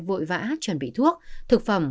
vội vã chuẩn bị thuốc thực phẩm